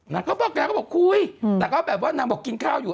เขาบอกแกก็บอกคุยแต่ก็แบบว่านางบอกกินข้าวอยู่